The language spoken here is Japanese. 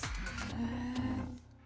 へえ。